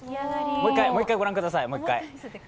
もう１回ご覧ください。